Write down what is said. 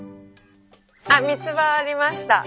あっミツバありました。